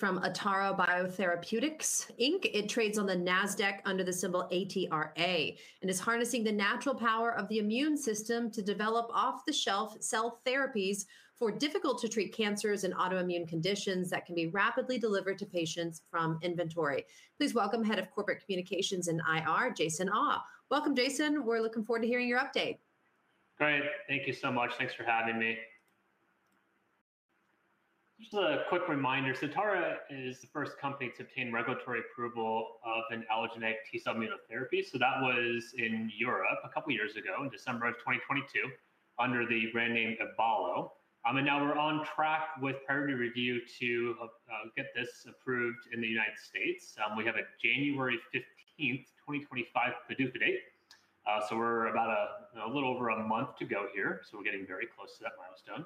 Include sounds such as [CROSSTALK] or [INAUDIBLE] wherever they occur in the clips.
From Atara Biotherapeutics, Inc. It trades on the Nasdaq under the symbol ATRA and is harnessing the natural power of the immune system to develop off-the-shelf cell therapies for difficult-to-treat cancers and autoimmune conditions that can be rapidly delivered to patients from inventory. Please welcome Head of Corporate Communications and IR, Jason Awe. Welcome, Jason. We're looking forward to hearing your update. Great. Thank you so much. Thanks for having me. Just a quick reminder, so Atara is the first company to obtain regulatory approval of an allogeneic T-cell immunotherapy. So that was in Europe a couple of years ago in December of 2022 under the brand name Ebvallo. And now we're on track with priority review to get this approved in the United States. We have a January 15, 2025 PDUFA date. So we're about a little over a month to go here. So we're getting very close to that milestone.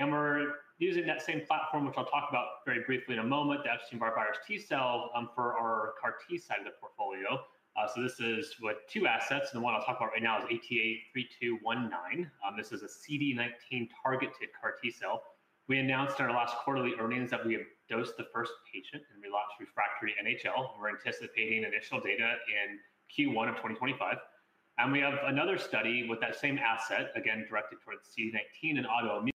And we're using that same platform, which I'll talk about very briefly in a moment, the Epstein-Barr virus T-cell for our CAR-T side of the portfolio. So this is with two assets. And the one I'll talk about right now is ATA3219. This is a CD19 targeted CAR-T cell. We announced in our last quarterly earnings that we have dosed the first patient in relapsed refractory NHL. We're anticipating initial data in Q1 of 2025, and we have another study with that same asset, again, directed towards CD19 and autoimmune.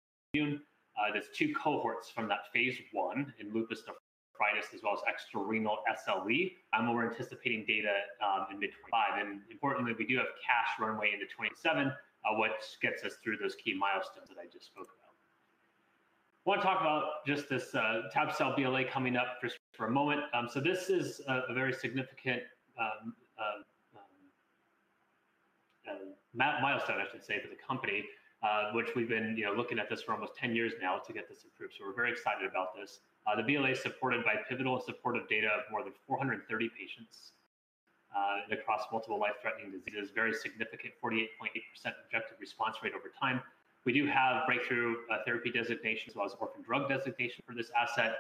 There's two cohorts from that Phase I in lupus nephritis as well as extra-renal SLE, and we're anticipating data in mid-2025, and importantly, we do have cash runway into 2027, which gets us through those key milestones that I just spoke about. I want to talk about just this tab-cel BLA coming up for a moment, so this is a very significant milestone, I should say, for the company, which we've been looking at this for almost 10 years now to get this approved, so we're very excited about this. The BLA is supported by pivotal and supportive data of more than 430 patients across multiple life-threatening diseases. Very significant 48.8% objective response rate over time. We do have breakthrough therapy designation as well as orphan drug designation for this asset.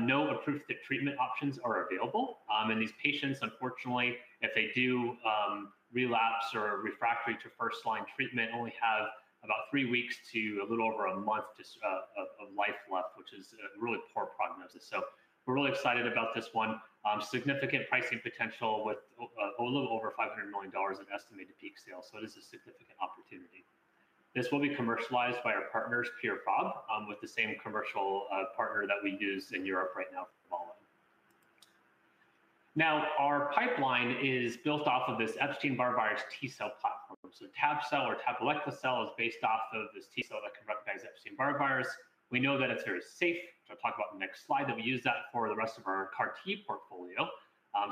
No approved treatment options are available, and these patients, unfortunately, if they do relapse or refractory to first-line treatment, only have about three weeks to a little over a month of life left, which is a really poor prognosis, so we're really excited about this one. Significant pricing potential with a little over $500 million in estimated peak sales, so it is a significant opportunity. This will be commercialized by our partners, Pierre Fabre, with the same commercial partner that we use in Europe. [AUDIO DISTORTION] Now, our pipeline is built off of this Epstein-Barr virus T-cell platform, so tab-cel or tabelecleucel is based off of this T-cell that can recognize Epstein-Barr virus. We know that it's very safe. I'll talk about the next slide that we use that for the rest of our CAR-T portfolio.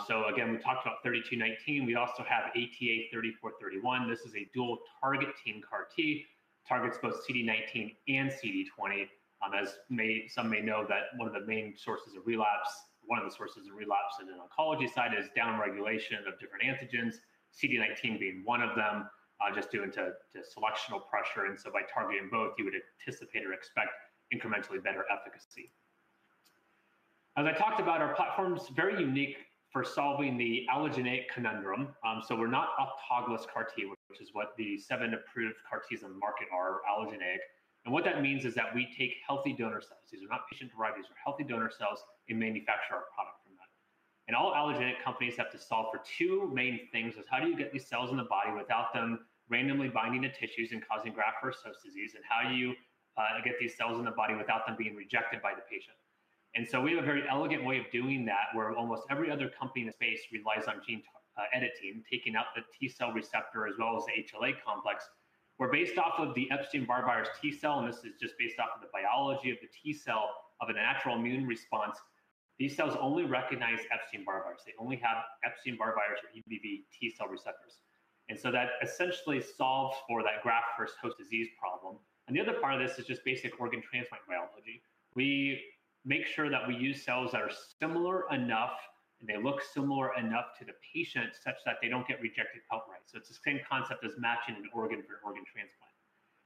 So again, we talked about ATA3219. We also have ATA3431. This is a dual-targeting CAR-T. Targets both CD19 and CD20. As some may know, one of the main sources of relapse, one of the sources of relapse in the oncology side is downregulation of different antigens, CD19 being one of them, just due to selectional pressure. And so by targeting both, you would anticipate or expect incrementally better efficacy. As I talked about, our platform is very unique for solving the allogeneic conundrum. So we're not autologous CAR-T, which is what the seven approved CAR-Ts in the market are, allogeneic. And what that means is that we take healthy donor cells. These are not patient-derived. They're healthy donor cells. We manufacture our product from that. And all allogeneic companies have to solve for two main things. How do you get these cells in the body without them randomly binding to tissues and causing graft-versus-host disease? And how do you get these cells in the body without them being rejected by the patient? And so we have a very elegant way of doing that, where almost every other company in the space relies on gene editing, taking out the T-cell receptor as well as the HLA complex. We're based off of the Epstein-Barr virus T-cell, and this is just based off of the biology of the T-cell of a natural immune response. These cells only recognize Epstein-Barr virus. They only have Epstein-Barr virus or EBV T-cell receptors. And so that essentially solves for that graft-versus-host disease problem. And the other part of this is just basic organ transplant biology. We make sure that we use cells that are similar enough, and they look similar enough to the patient such that they don't get rejected outright. So it's the same concept as matching an organ for an organ transplant.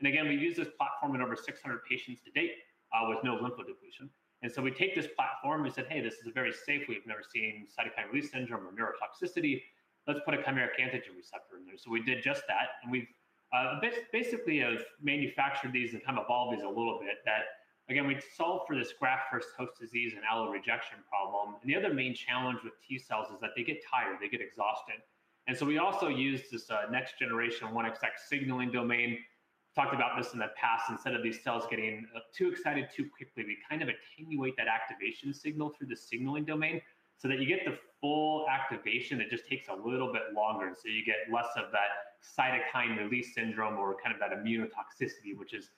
And again, we use this platform in over 600 patients to date with no lymphodepletion. And so we take this platform. We said, hey, this is very safe. We've never seen cytokine release syndrome or neurotoxicity. Let's put a chimeric antigen receptor in there. So we did just that. And we've basically manufactured these and kind of evolved these a little bit that, again, we solve for this graft-versus-host disease and allograft rejection problem. And the other main challenge with T-cells is that they get tired. They get exhausted. And so we also use this next-generation 1XX signaling domain. Talked about this in the past. Instead of these cells getting too excited too quickly, we kind of attenuate that activation signal through the signaling domain so that you get the full activation. It just takes a little bit longer. And so you get less of that cytokine release syndrome or kind of that immunotoxicity, which is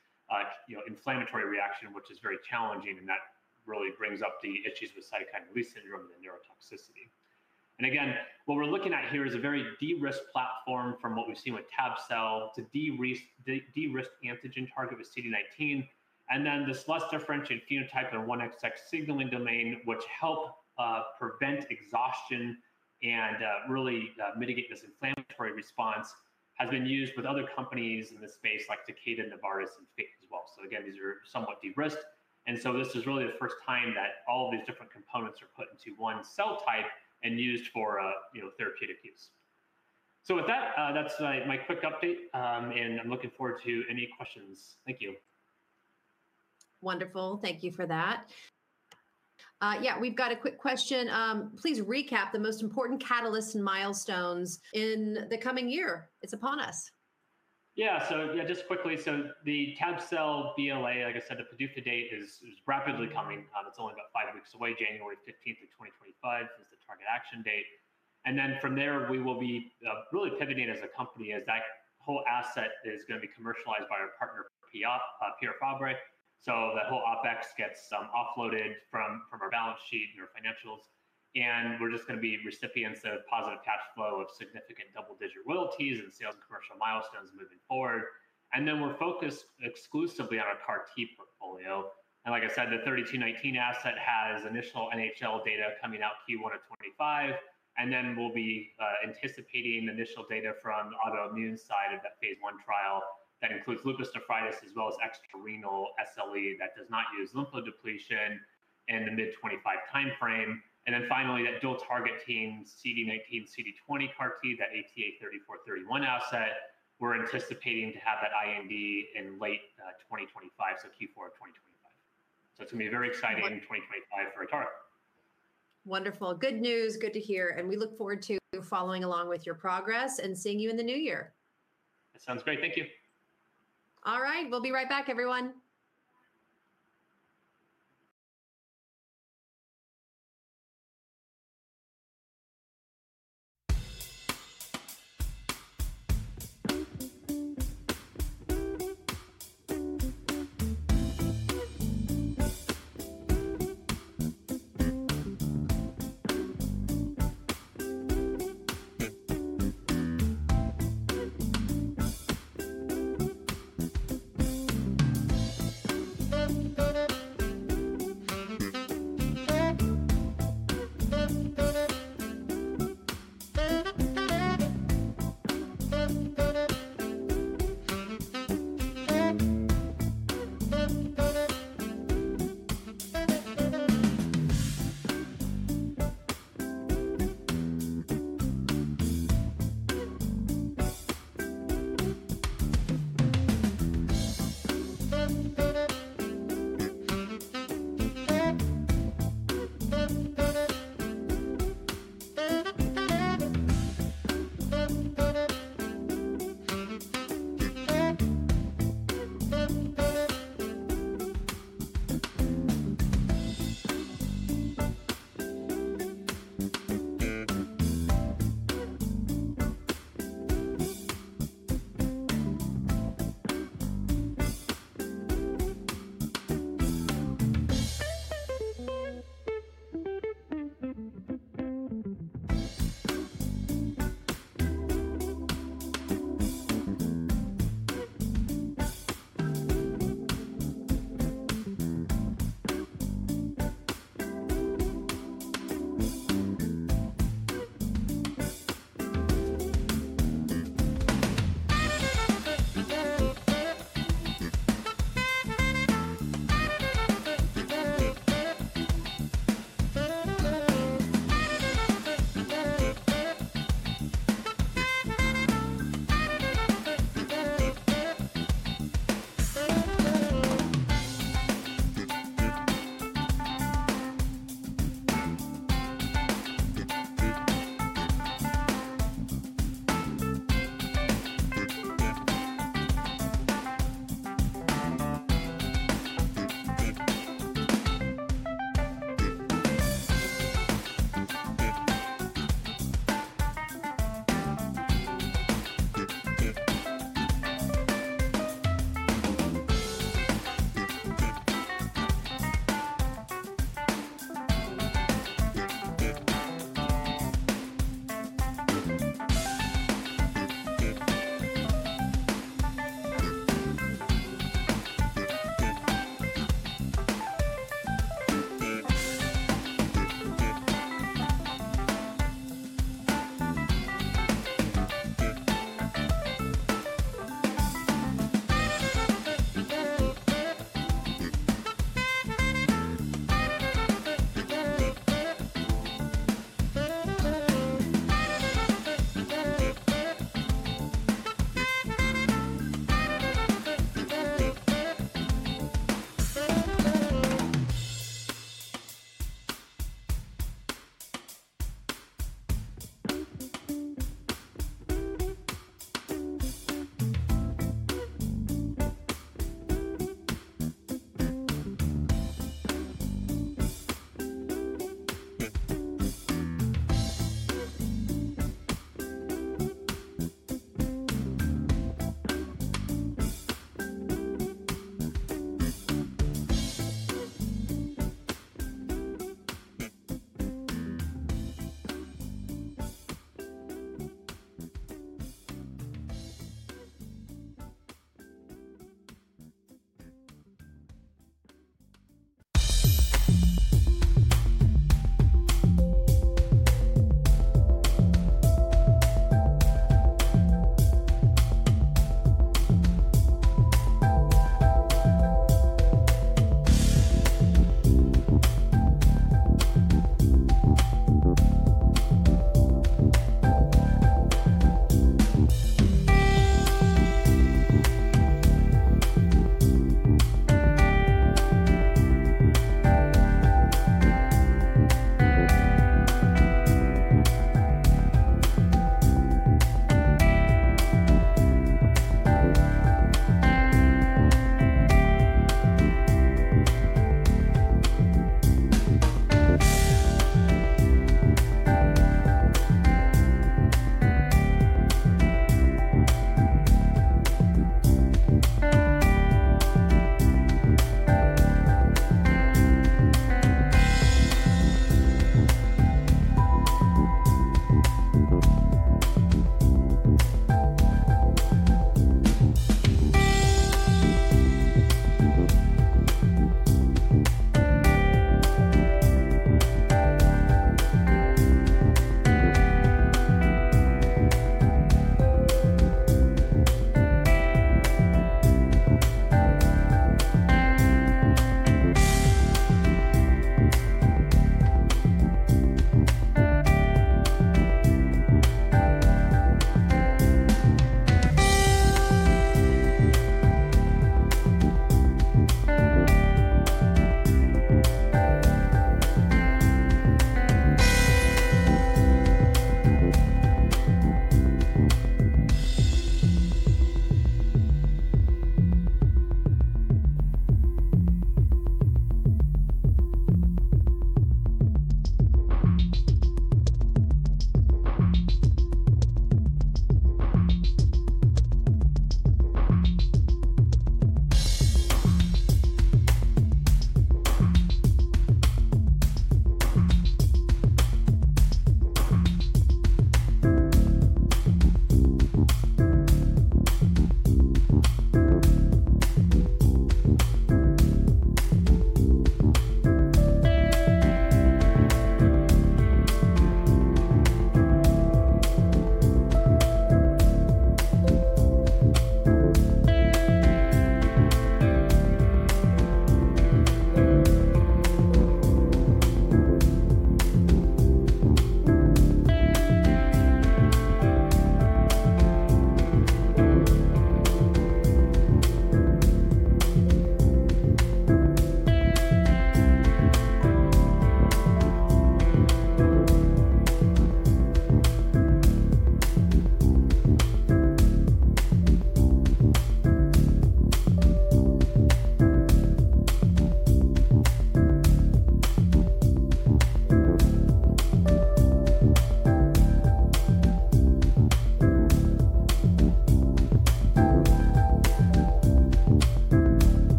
inflammatory reaction, which is very challenging. And that really brings up the issues with cytokine release syndrome and the neurotoxicity. And again, what we're looking at here is a very de-risk platform from what we've seen with tab-cel to de-risk antigen target with CD19. And then this less differentiated phenotype and 1XX signaling domain, which help prevent exhaustion and really mitigate this inflammatory response, has been used with other companies in this space like Takeda, Novartis, and Fate as well. So again, these are somewhat de-risked. And so this is really the first time that all of these different components are put into one cell type and used for therapeutic use. So with that, that's my quick update. And I'm looking forward to any questions. Thank you. Wonderful. Thank you for that. Yeah, we've got a quick question. Please recap the most important catalysts and milestones in the coming year. It's upon us. Yeah. So yeah, just quickly. So the tab-cel BLA, like I said, the PDUFA date is rapidly coming. It's only about five weeks away, January 15 of 2025 is the target action date. And then from there, we will be really pivoting as a company as that whole asset is going to be commercialized by our partner, Pierre Fabre. So that whole OpEx gets offloaded from our balance sheet and our financials. And we're just going to be recipients of positive cash flow of significant double-digit royalties and sales and commercial milestones moving forward. And then we're focused exclusively on our CAR-T portfolio. And like I said, the 3219 asset has initial NHL data coming out Q1 of 2025. And then we'll be anticipating initial data from the autoimmune side of that Phase I trial that includes lupus nephritis as well as extra-renal SLE that does not use lymphodepletion in the mid-2025 timeframe. And then finally, that dual-targeting CD19, CD20 CAR-T, that ATA3431 asset, we're anticipating to have that IND in late 2025, so Q4 of 2025. So it's going to be very exciting in 2025 for Atara. Wonderful. Good news. Good to hear. And we look forward to following along with your progress and seeing you in the new year. That sounds great. Thank you. All right. We'll be right back, everyone.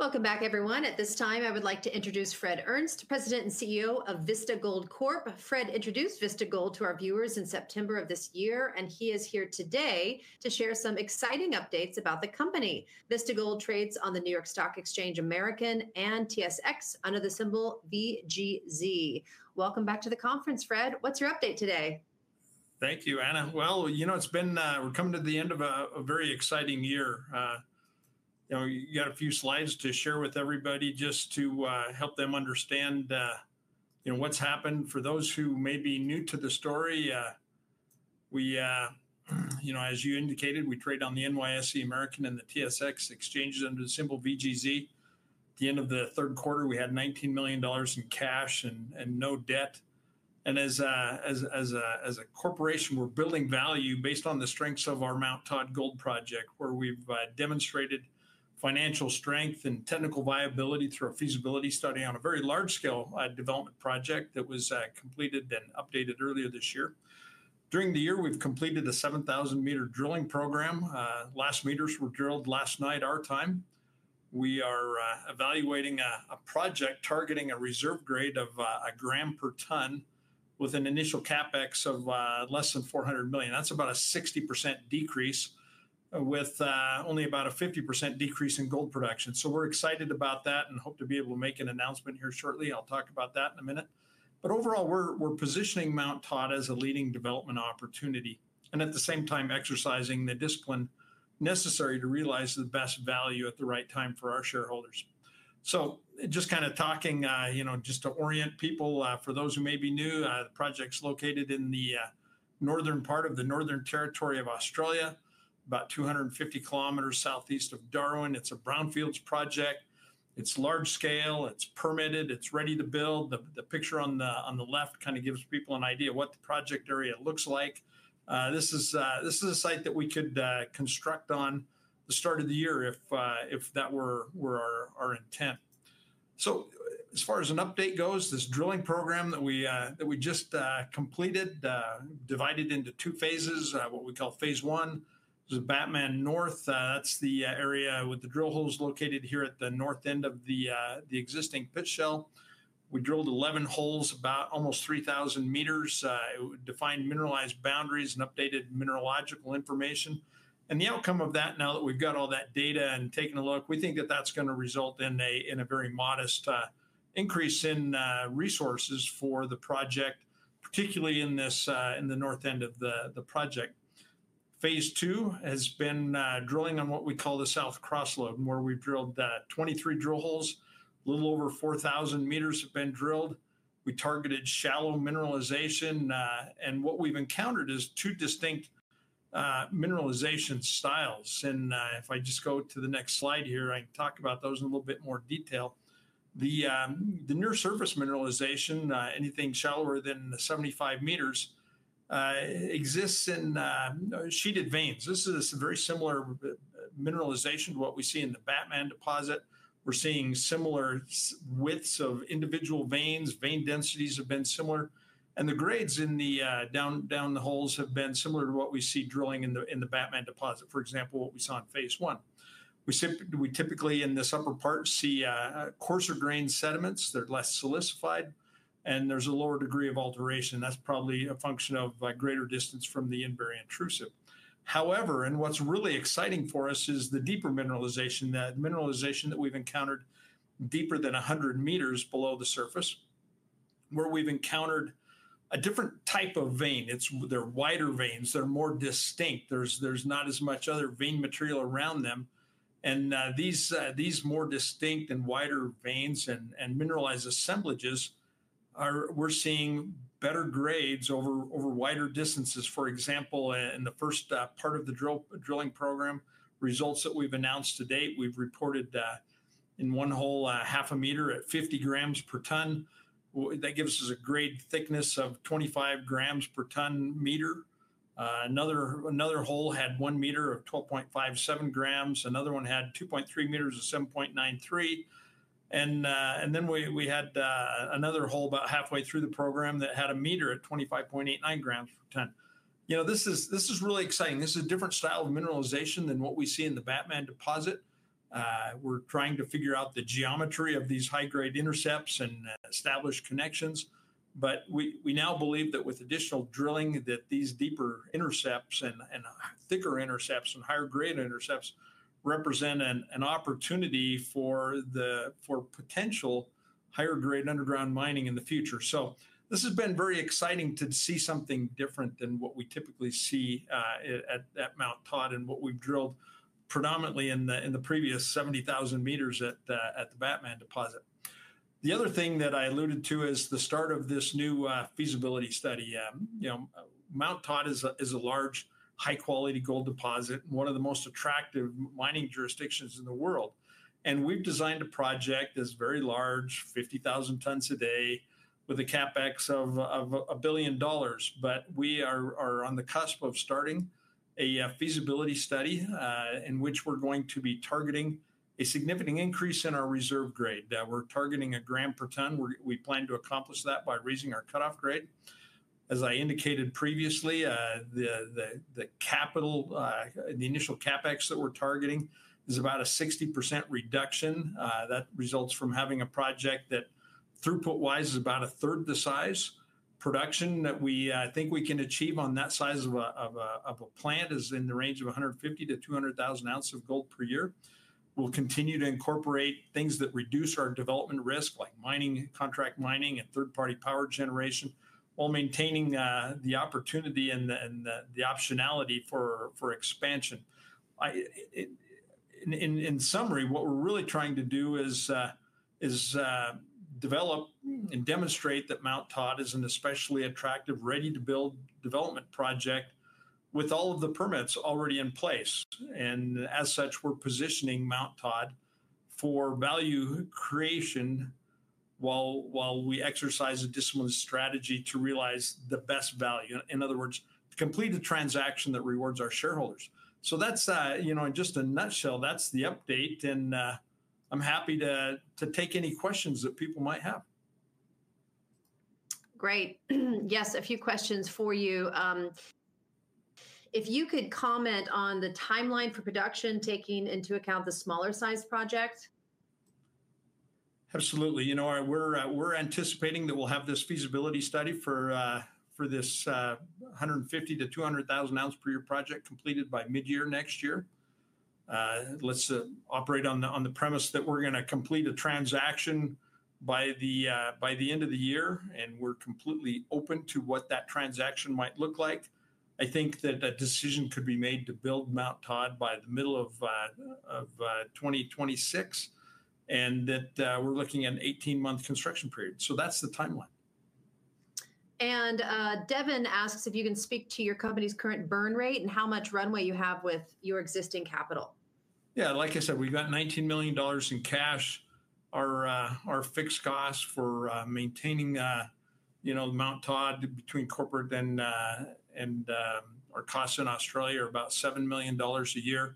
[AUDIO DISTORTION] Welcome back, everyone. At this time, I would like to introduce Fred Earnest, President and CEO of Vista Gold Corp. Fred introduced Vista Gold to our viewers in September of this year, and he is here today to share some exciting updates about the company. Vista Gold trades on the NYSE American and TSX under the symbol VGZ. Welcome back to the conference, Fred. What's your update today? Thank you, Anna. Well, you know, it's been. We're coming to the end of a very exciting year. You know, you got a few slides to share with everybody just to help them understand what's happened. For those who may be new to the story, as you indicated, we trade on the NYSE American and the TSX exchanges under the symbol VGZ. At the end of the third quarter, we had $19 million in cash and no debt. And as a corporation, we're building value based on the strengths of our Mount Todd gold project, where we've demonstrated financial strength and technical viability through a feasibility study on a very large-scale development project that was completed and updated earlier this year. During the year, we've completed a 7,000-meter drilling program. Last meters were drilled last night our time. We are evaluating a project targeting a reserve grade of a gram per ton with an initial CapEx of less than $400 million. That's about a 60% decrease with only about a 50% decrease in gold production. So we're excited about that and hope to be able to make an announcement here shortly. I'll talk about that in a minute. But overall, we're positioning Mount Todd as a leading development opportunity and at the same time exercising the discipline necessary to realize the best value at the right time for our shareholders. So just kind of talking, you know, just to orient people. For those who may be new, the project's located in the northern part of the Northern Territory of Australia, about 250 km southeast of Darwin. It's a brownfields project. It's large scale. It's permitted. It's ready to build. The picture on the left kind of gives people an idea of what the project area looks like. This is a site that we could construct on the start of the year if that were our intent. So as far as an update goes, this drilling program that we just completed divided into two phases, what we call Phase 1. This is Batman North. That's the area with the drill holes located here at the north end of the existing pit shell. We drilled 11 holes, about almost 3,000 meters. It defined mineralized boundaries and updated mineralogical information. And the outcome of that, now that we've got all that data and taken a look, we think that that's going to result in a very modest increase in resources for the project, particularly in the north end of the project. Phase 2 has been drilling on what we call the Southern Cross Lode, where we've drilled 23 drill holes. A little over 4,000 meters have been drilled. We targeted shallow mineralization. What we've encountered is two distinct mineralization styles. If I just go to the next slide here, I can talk about those in a little bit more detail. The near-surface mineralization, anything shallower than 75 meters, exists in sheeted veins. This is a very similar mineralization to what we see in the Batman deposit. We're seeing similar widths of individual veins. Vein densities have been similar. The grades downhole have been similar to what we see drilling in the Batman deposit, for example, what we saw in phase I. We typically in this upper part see coarser grain sediments. They're less solidified, and there's a lower degree of alteration. That's probably a function of greater distance from the Yinberrie intrusive. However, and what's really exciting for us is the deeper mineralization, that mineralization that we've encountered deeper than 100 meters below the surface, where we've encountered a different type of vein. They're wider veins. They're more distinct. There's not as much other vein material around them. And these more distinct and wider veins and mineralized assemblages, we're seeing better grades over wider distances. For example, in the first part of the drilling program, results that we've announced to date, we've reported in one hole half a meter at 50g per ton. That gives us a grade thickness of 25g per ton meter. Another hole had one meter of 12.57g. Another one had 2.3 meters of 7.93g. And then we had another hole about halfway through the program that had a meter at 25.89g per ton. You know, this is really exciting. This is a different style of mineralization than what we see in the Batman deposit. We're trying to figure out the geometry of these high-grade intercepts and establish connections. But we now believe that with additional drilling, that these deeper intercepts and thicker intercepts and higher-grade intercepts represent an opportunity for potential higher-grade underground mining in the future. So this has been very exciting to see something different than what we typically see at Mount Todd and what we've drilled predominantly in the previous 70,000 meters at the Batman deposit. The other thing that I alluded to is the start of this new feasibility study. You know, Mount Todd is a large, high-quality gold deposit and one of the most attractive mining jurisdictions in the world. And we've designed a project that's very large, 50,000 tons a day with a CapEx of $1 billion. But we are on the cusp of starting a feasibility study in which we're going to be targeting a significant increase in our reserve grade. We're targeting a gram per ton. We plan to accomplish that by raising our cutoff grade. As I indicated previously, the initial CapEx that we're targeting is about a 60% reduction. That results from having a project that, throughput-wise, is about a 1/3 the size. Production that we think we can achieve on that size of a plant is in the range of 150,000-200,000 ounces of gold per year. We'll continue to incorporate things that reduce our development risk, like contract mining and third-party power generation, while maintaining the opportunity and the optionality for expansion. In summary, what we're really trying to do is develop and demonstrate that Mount Todd is an especially attractive ready-to-build development project with all of the permits already in place, and as such, we're positioning Mount Todd for value creation while we exercise a discipline strategy to realize the best value. In other words, to complete the transaction that rewards our shareholders, so that's, you know, in just a nutshell, that's the update, and I'm happy to take any questions that people might have. Great. Yes, a few questions for you. If you could comment on the timeline for production taking into account the smaller-sized project. Absolutely. You know, we're anticipating that we'll have this feasibility study for this 150,000-200,000 ounces per year project completed by mid-year next year. Let's operate on the premise that we're going to complete a transaction by the end of the year. And we're completely open to what that transaction might look like. I think that a decision could be made to build Mount Todd by the middle of 2026, and that we're looking at an 18-month construction period, so that's the timeline. Devin asks if you can speak to your company's current burn rate and how much runway you have with your existing capital. Yeah, like I said, we've got $19 million in cash. Our fixed costs for maintaining Mount Todd between corporate and our costs in Australia are about $7 million a year.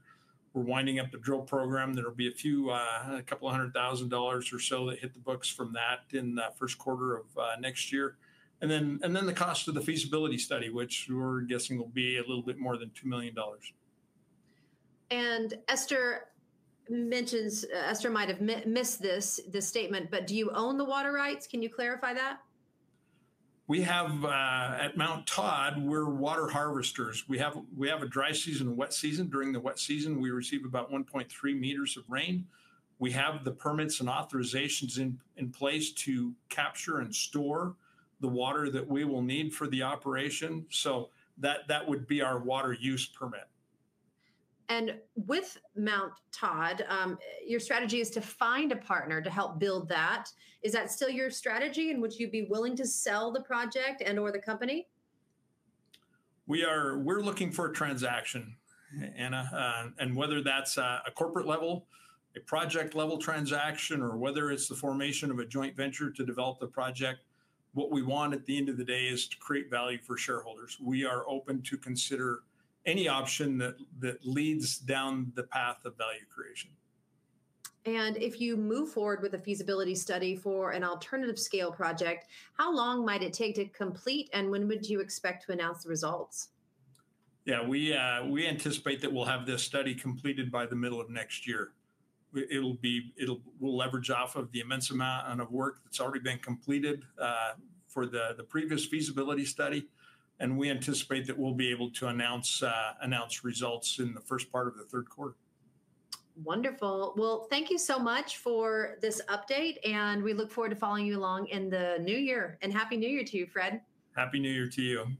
We're winding up the drill program. There'll be a couple of hundred thousand dollars or so that hit the books from that in the first quarter of next year, and then the cost of the feasibility study, which we're guessing will be a little bit more than $2 million. Esther mentions, Esther might have missed this statement, but do you own the water rights? Can you clarify that? We have, at Mount Todd, we're water harvesters. We have a dry season and a wet season. During the wet season, we receive about 1.3 meters of rain. We have the permits and authorizations in place to capture and store the water that we will need for the operation. So that would be our water use permit. With Mount Todd, your strategy is to find a partner to help build that. Is that still your strategy in which you'd be willing to sell the project and/or the company? We're looking for a transaction, Anna, and whether that's a corporate level, a project-level transaction, or whether it's the formation of a joint venture to develop the project, what we want at the end of the day is to create value for shareholders. We are open to consider any option that leads down the path of value creation. If you move forward with a feasibility study for an alternative scale project, how long might it take to complete, and when would you expect to announce the results? Yeah, we anticipate that we'll have this study completed by the middle of next year. It'll be, we'll leverage off of the immense amount of work that's already been completed for the previous feasibility study, and we anticipate that we'll be able to announce results in the first part of the third quarter. Wonderful. Well, thank you so much for this update. And we look forward to following you along in the new year. And happy new year to you, Fred. Happy new year to you.